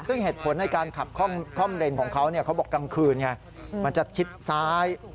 ซึ่งเหตุผลในการขับคล่อมเลนของเขาเขาบอกกลางคืนไงมันจะชิดซ้าย